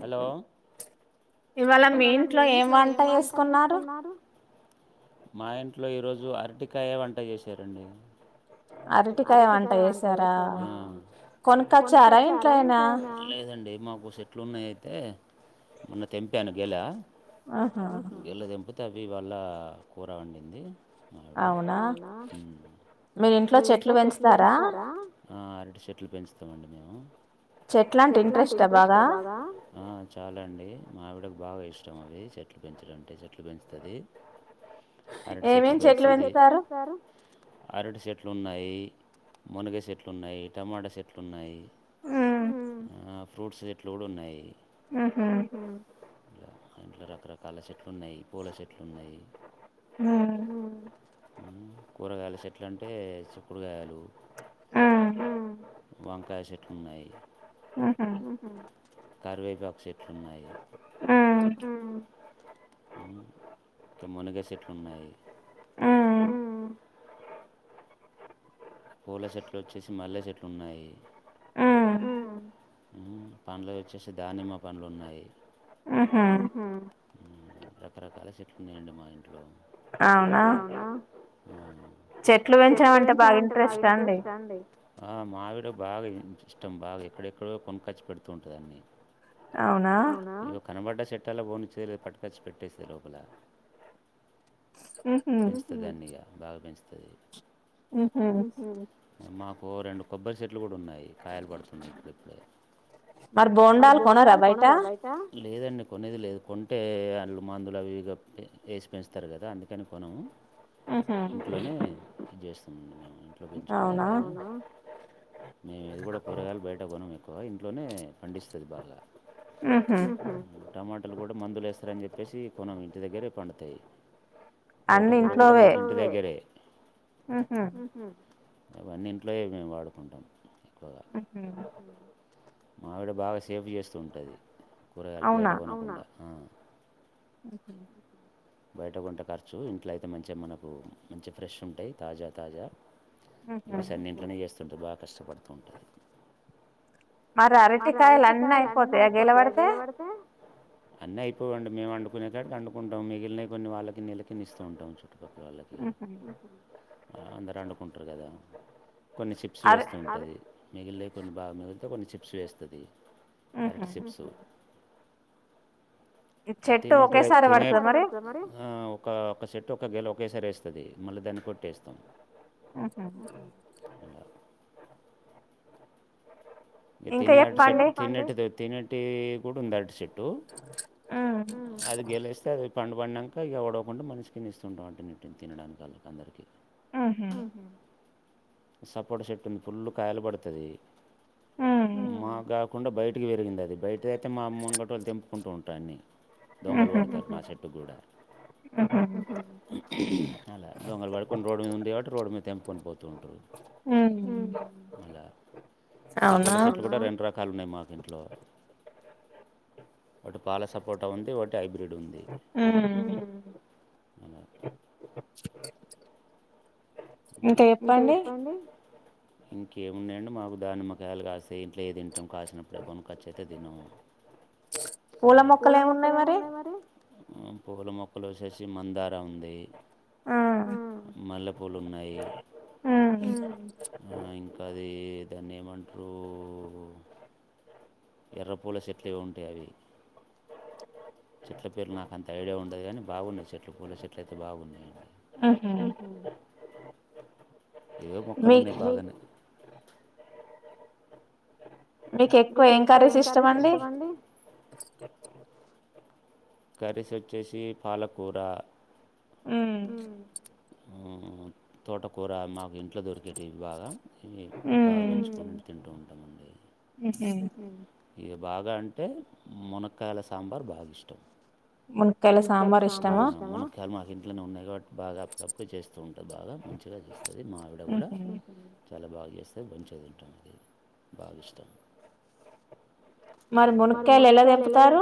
Hello ఇవాళ మీ ఇంట్లో ఏం వంట చేసుకున్నారు మా ఇంట్లో ఈరోజు అరటికాయ వంట చేశారండి అరటికాయ వంట చేసారా కొనుక చరా ఇంట్లోనేనా లేదండి మాకు చెట్లున్నాయి అంతే మొన్న తెంపాను గెలా గిళ్ళ దంపితే అవి ఇవాళ కూర వండింది అవునా మీ ఇన్ మీ ఇంట్లో చెట్లు పెంచుతారా ఆ అరటి చెట్లు పెంచుతామండి మేము చెట్లాంటె ఇంటరెస్టా బాగా చాలాండి మావిడకు బాగా ఇష్టం అవి చెట్లు పెంచడం అంటే చె అరటి చెట్టు పెంచుతాది ఏం ఏం చెట్లు పెంచుతారు అరటి చెట్టు చెట్లున్నాయి మునగ సెట్లు ఉన్నాయి టమాటా చెెట్లు ఉన్నాయి మ్మ్ ఫ్రూట్స్ చేట్లు కూడా ఉన్నాయి మ్మ్ మ్మ్ హ్మ్ ఇ ఇంట్లో రకరకాల చెట్లు ఉన్నాయి పూల చెెట్లు ఉన్నాయి హ్మ్ కూరగాయలు చెట్లు అంటే చిక్కుడుగాయలు మ్మ్ వంకాయ సఠన్నాయి కార్వేపాకు చేట్లు ఉన్నాయి మ్మ్ మునగసట్లున్నాయి హ్మ్ పూల చెట్లు వచ్చేసి మల్లె చెట్లు ఉన్నాయి మ్మ్ పండ్లు వచ్చేసి ధానిమ్మపండ్లు ఉన్నాయి మ్మ్ హ్మ్ రకరకాల చెట్లు ఉన్నాయండి మా ఇంట్లో అవునా చెట్లు పెంచే అంటే బా బాగా ఇంట్రస్ట్ అండి మా అవిడ బాగా ఇష్టం బాగా ఎక్కడెక్కడో కొనుకోచి పెడుతూ ఉంటుందన్నీ అవునా కనబడ్డ చెట్టలా బోనిచ్చేది లేదా పట్టుకర్చ్చు పెట్టేస్తే లోపల పెంచుతది అన్నిక బాగా పెంచుతది మ్మ్ హ్మ్ మాకు రెండు కూడా ఉన్నాయి కాయలు పడుతున్నాయి ఇప్పుడప్పుడే మరి బోండాలు కొనరా బయట లేదండి కొనేది లేదు కొంటే అల్లు మందులు అవి ఇ వేసి పెంచుస్తారు కదా అందుకని మనము ఇంట్లోనే ఇది చేస్తు లభించుకునే అవునా మేము ఇది కూడా కూరగాయలు బయట కొన్నాం ఎక్కువ ఇంట్లోనే పండిస్తది బాగా మ్మ్ హ్మ్ టమాట పట్టలు కూడా మందులు వేస్తారని చెప్పేసి కొనం ఇంటి దగ్గరే పండుతాయి తోట గురుడు మాకు ఇంటి దగ్గరే అవన్నింట్లో మేము వాడుకుంటాం మా అవిడ బాగా సేఫ్ చేస్త అవునా ఇక బయట కొంటే ఖర్చు, ఇంట్లో అయితే మంచిగా మనకు మంచిగా ఫ్రెష్ ఉంటాయి తాజా తాజా. ఇప్పుడు సన్ని ఇంట్లోనే చేస్తుంటది, బాగ కష్టపడుతూ ఉంటుంది. మరి అరటి కాయలు అన్న అయిపోతాయి గీల పడితే అన్నయిపోవండి, మేము వండుకునే కాటికి అండుకుంటాం. మిగిలినవి కొన్ని వాళ్ళకిన్ని వీళ్లకిన్నీ ఇస్తూంటాం. చూ చుట్టుపక్కల వాళ్ళకి అందరొండకుంటరు గదా! కొన్ని చిప్స్ వేస్తూంటాది. మిగిలితే కొన్ని బాగా మిగిలితే కొన్ని చిప్ చిప్స్ వేస్తది అరటిసిప్సు. తినేటి త ఒక ఒక సెట్ ఒక గెల ఒకేసారి వేస్తది. మళ్ళ దాన్ని కొట్టేస్తాం. ఇగ తినే అటు సెట్ తినేటిది తినేటి కూడుందా? అడు సెట్టు అది గెలేస్తే అదే పండు పండినాక ఇక వడవకుండా మనిషికిన్నీ ఇస్తుంటాం. అంట తినడానికి అందరికి ఆహా సపోట సెట్టుందీ ఫుల్ కాయలు పడతది. మాక్కాకుండా బయట బయటకీ పెరిగిందది. బయటేత్తే మా ముంగట తెంపుకుంటాం దాన్ని. దొంగలు పడతారు, నా చెట్టుకు కూడా. అలా దొంగలు పడి కొన్ని రోడ్డు మీద ఉంది కాబట్టి రోడ్డు మీద తెంపుకొని పోతు ఉంటరు. అలా సపోటా సెట్లు కూడా రెండు రకా రకాలున్నాయ్ మాకింట్లో. అటు పాలసపోటా ఉంది, ఒకటి హైబ్రిడ్ ఉంది. ఆ ఇంతే చెప్పండి ఇంకేమున్నాయండి, మాకు దానిమ్మకాయలు కాస్ అతే ఇంట్లో ఏ తింటాం. కాసినప్పుడే కొనక్కోచ్చయితే తినమ్మ్మ్మ్. పూల మొక్కలు ఏమున్నాయి మరి ఆ పూల మొక్కలొచ్చేసి మందారా ఉంది, మల్లె పూలున్నా ఆ ఇంకది ఏ దాన్నేమంటరు? ఎర్రపూల చెట్లేవో ఉంటాయి. అవి చెట్ల పేర్లు నాకంత ఐడియా ఉండదు కానీ బాగున్నాయి చెట్లు. పూల చెట్లయితే బాగున్నాయండి. హ ఇవే మొక్కలున్నాయి బాగానే మీకు ఎక్కువ ఏం కర్రీస్ ఇష్టం అండి కర్రీసొచ్చేసి పాలకూర హ్మ్మ్ తోటకూర మాకెన్ ఇంట్లో దొరికేటివి బాగా ఈ బాగా పెంచుకొని తింటా ఉంటామండి. ఇగ బాగా అంటే మునక్కాయల సాంబార్ బాగిష్టం. ఆ మునక్కాయలు మాక్ ఇంట్లోనే ఉన్నాయ్. కాబట్ బాగా అప్పుడప్పుడు చేస్తూ ఉంటది, బాగా మంచిగా చేస్తది. మా ఆవిడ గూడా చాలా బాగ చేస్తది, మంచిగ తింటాం, అది బాగిష్టం. మరి మునక్కాయలు ఎలా తెంపుతారు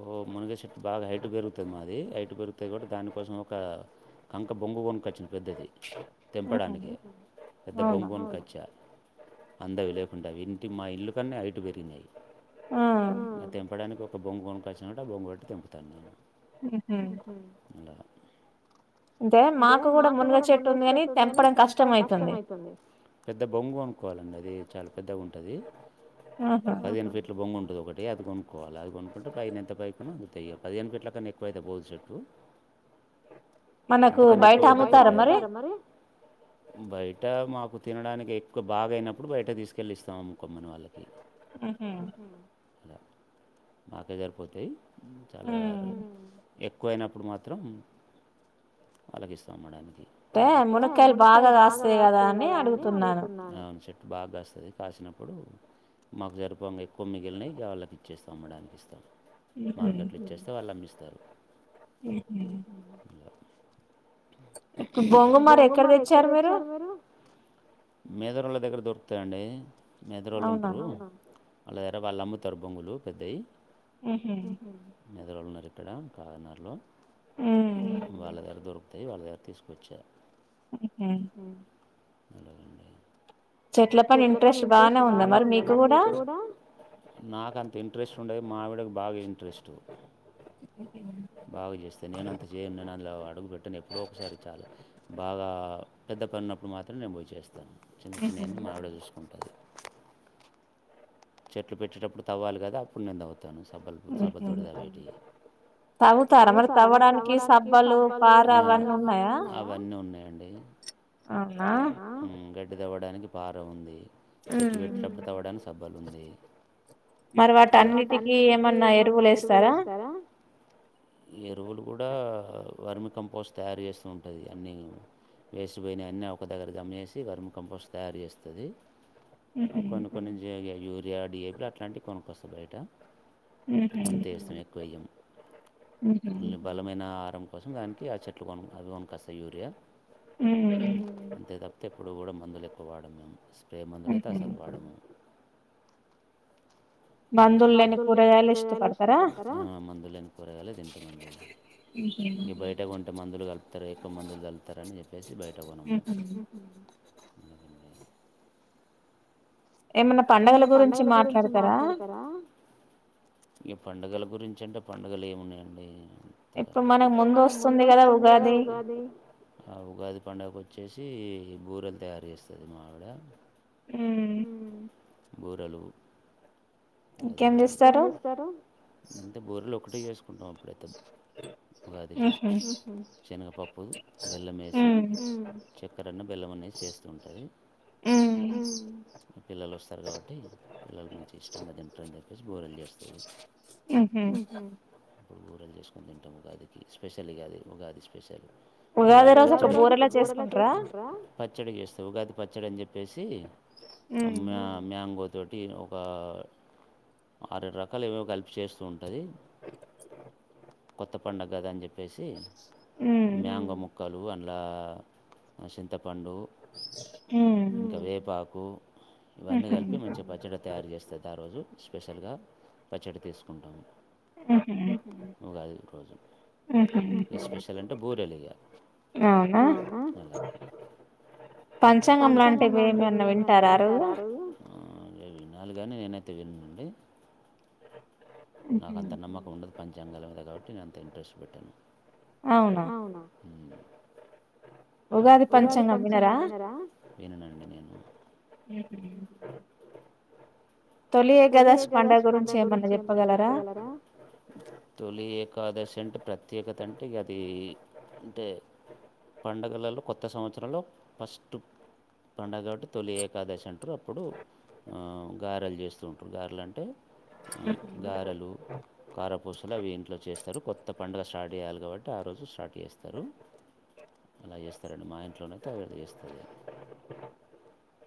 ఓ మునగ చెెట్టు బాగా హైటు పెరుగుతాది మాది, హైటు పెరుగుతాది కాబట్టి దానికోసం ఒక కంక బొంగు కొనుకొచ్చింది పెద్దది, తెంపడానికి పెద్ద బొంగు కొనుకొచ్చ. అందవి లేకుండా అవి ఇంటి మా ఇల్లుకన్నా హైటు పెరిగినాయి. తెంపడానికి ఒక బొంగు కొనుక్కొచ్చినా కాబట్టి ఆ బొంగు పెట్టి తెంపుతాను. అలా ఉ అంటే మాకు గూడా మునుగ చెట్టుంది గాని తెంపడం కష్టం అయితుంది పెద్ద బొంగు కొనుక్కోవాలండి అది చాల పెద్దగా ఉంటది పదిహేను ఫీట్ల బొంగుంటది ఒకటి అది కొను కోవాలి అవి కొనుకుంటే పైన ఎంత పైకున్న అందుతాయ్ ఇగ పదిహేను ఫీట్లకన్నా ఎక్కువైతే పోదు చెట్టు మనకు బయట అమ్ముతారా మరి బయట మాకు తినడానికి ఎక్కువ బాగాయినప్పుడు బయట తీసుకెళ్ళి ఇస్తాము అమ్ముకొమ్మని వాళ్ళకి మాకే సరిపోతాయి చాలా ఎక్ ఎక్కువ అయినప్పుడు మాత్రం వాళ్ళకి ఇస్తాం అమ్మడానికి టే మునక్కాయలు బాగా గాస్తాయి గదా అని అడుగుతున్నాను బాగ్గాస్తది కాసినప్పుడు మాకు జరిపోంగా ఎక్కువ మిగిలినవి ఇగ వాళ్ళకి ఇచ్చేస్తాం అమ్మడానికి ఇస్తాం మార్కెట్లో ఇచ్చేస్తే వాళ్ళమ్మిస్తారు ఊహు బొంగు మరి ఎక్కడ తెచ్చారు మీరు మేదరోళ్ళ దగ్గర దొరుకుతాయండి మేదరోళ్ళుంటరూ వాళ్ళ దగ్గర వాళ్ళు అమ్ముతారు బొంగులు పెద్దయి మేదరోళ్ళున్నారు ఇక్కడ కార్నర్ లో వాళ్ళ దగ్గర దొరుకుతాయి వాళ్ళ దగ్గర తీసుకొచ్చా అలాగండి చెట్ల పని ఇంట్రెస్ట్ బానే ఉందా మరి మీకు గూడా నాకంత ఇంట్రెస్ట్ ఉండది మావిడకి బాగా ఇంట్రెస్టు ఓకే నన్ బాగా చేస్తది నేను అంత చేయను నేను అందులో అడుగు పెట్టను ఎప్పుడో ఒకసారి చాల బాగా పెద్ద పని ఉన్నప్పుడు మాత్రం నేను పోయ్ చేస్తా చిన్న చిన్నయన్నీ మావిడే చూసుకుంటది చెట్లు పెట్టేటప్పుడు తవ్వాలి గదా అప్పుడు నేను తవ్వుతాను సబ్బలు [unintelligible] తవ్వుతారా మరి తవ్వడానికి సబ్బలు పార అవన్నీ ఉన్నాయా ఆ అవన్నీ ఉన్నాయండి ఊ గడ్డి దవ్వడానికి పార ఉంది చెట్లు పెట్టేటప్పుడు తవ్వడానికి సబ్ మరి వాట అన్నిటికిీ ఏమన్నా ఎరువులు ఏస్తారా ఎరువ్ వులు కూడా వర్మి కంపోస్ట్ తయారు చేస్తూ ఉంటది అన్నీ వేస్ట్ పోయినవి అన్నీ ఒక దగ్గర గమ్మేసి వర్మి కంపోస్ట్ తయారు జేస్తది ఊహు ఇగ యూరియా డి ఏ బ్ర అట్లాంటివి కొనుక్కొస్తా బయట అంతే ఇస్తాం ఎక్కువ ఏయం ఇది బలమైన ఆహారం కోసం దానికి ఆ చెట్లు కొను అవి కొన్కోస్తా యూరియా అంతే తప్తే ఎప్పుడు కూడా మందులు ఎక్కువ వాడము మేము స్ప్రే మందులు అయితే అసలు వాడము [unintelligible] మందులు లేని కూరగాయలు ఇష్టపడతారా ఆ మందులు లేని కూరగాయలు తింటామండి ఇ బయటే కొంటే మందులు కలుపుతారు ఎక్కువ మందులు కలుపుతారని చెప్పేసి బయట కొనము ఉ హుమ్ ఏమన్నా పండుగల గురించి మాట్లాడతారా ఇగ పండుగల గురించి అంటే పండుగలు ఏమున్నాయండి ఇప్పు మనకి ముందు వస్సు న్ది కదా ఉగాది ఆ ఉగాది పండుగ వచ్చేసి బూరెలు తయారు చేస్తాదీ మా ఆవిడ ఉమ్ బూరెలు ఇంకేం చేస్తారు అంతే బూరెలు ఒకటె చేసుకుంటాం అప్పుడైతే ఉగాదికి శనగపప్పు బెల్లం వేసి చక్కెరన్న బెల్లం ఏసి చేస్తూ ఉంటుంది పిల్లలు వస్తారు కాబట్టి పిల్లలు మంచిగా ఇష్ట ఇష్టంగా తింటంటారుని చెప్పేసి బురెలు చేస్తాది ఇప్పుడు బూరెలు చేసుకొని తింటాం ఉగాదికి స్పెషల్ ఇ కాది ఉగాది స్పెషల్ ఉగాది పచ్చడి ఉగాది రోజు ఒక బూరెలే చేసుకుంటారా ఉగాది పచ్చడి అని చె చెప్పేసి మ్యా మ్యాంగో తోటి ఒక ఆరేడు రకాలు ఏమో కలిపి చేస్తూ ఉంటుంది కొత్త పండగ కదా అని చెప్పి చెప్పేసి మ్యాంగో ముక్కలు అండ్ల చింతపాన్ పండు ఇంకా వేపాకు ఇవన్నీ కలిపి మంచిగా పచ్చడి తయారు చేస్తాదీ ఆ రోజు స్పెషల్ పచ్చడి తీసుకుంటాము ఉగాది రోజు ఎస్పెషల్ అంటే బూరెలు ఇగ అవున అలా పంచాంగం లాంటివి ఏమన్నా వింటారా ఆ రోజు అదే వినాలి కానీ నేనైతే వినండి నాకు అంత నమ్మకం ఉండది పంచాంగాల మీద కాబట్టి నేను అంత ఇంట్రెస్ట్ పెట్టాను అవునా హుము ఉగాది పంచాంగం వినరా విననండి నేను హుము తొలి ఏకాదాశి పండగ గురించి ఏమన్నా చెప్పగలరా తొలి ఏకాదశి అంటే ప్రత్యేకత అంటే ఇగ అది అంటే పడుగలలో కొత్త సంవత్సరంలో ఫస్ట్ పండగ కాబట్టి తొలి ఏకాదశి అంటారు అప్పుడు గారెలు చేస్తూ ఉంటాారు గారెలుంటే గారెలు కారపూ పుసలు అవి ఇంట్లో చేస్తారు కొత్త పండుగ స్టార్ట్ చేయాలి కాబట్టి ఆ రోజు స్టార్ట్ చేస్తారు అలా చేస్తారండి మా ఇంట్లోనైతే అవే చేస్తాది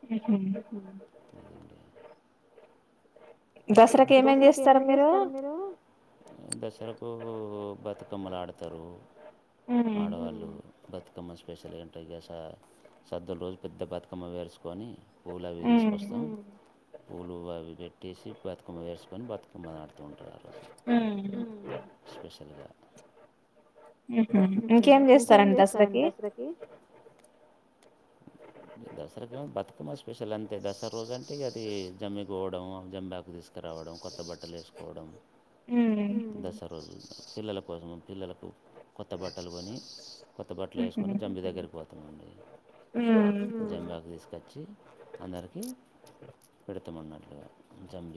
హ దసరాకి ఏమేమి చేస్తారూ మీరు దసరాకు బతుకమ్మలు ఆడతారు ఆడవాళ్ళు బతుకమ్మ స్పెషల్ అంట సాధలు రోజు పెద్ద బతుకమ్మ వేరుసు టుకొని పూలు అవి తీసుకొస్తారూ పూలు అవి పెట్టేసి బతు కుమ వేసుకొని బతుకమ్మ ఆడుతుూ ఉంటారు ఆ రోజు హుము స్పెషల్గా హుము ఇంకేం చేస్తారండి దసరాకి బ దసరాకి బతుమ్మ స్పెషల్ అంతే దసరా రోజు అంటే ఇ అది జమ్మి పోవడం జమ్మిాకు తీసుకు కొత్త రావడం కొత్త బట్టలు వేసుకోవడం దసరా రోజు పిల్లల కోసం పిల్లలకు కొత్త బట్టలు కొని కొత్త బట్టలు వేసుకొని జమ్మి దగ్గరికి పోతామండి జంబాకు తీసుకొచ్చి అందరికి విడతామన్నట్లుగా జంలీ